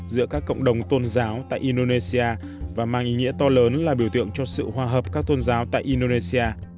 giữa các cộng đồng tôn giáo tại indonesia và mang ý nghĩa to lớn là biểu tượng cho sự hòa hợp các tôn giáo tại indonesia